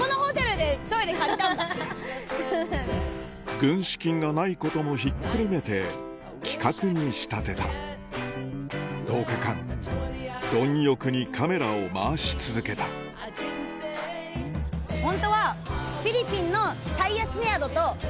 軍資金がないこともひっくるめて企画に仕立てた１０日間貪欲にカメラを回し続けたホントは。